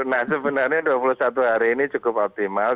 nah sebenarnya dua puluh satu hari ini cukup optimal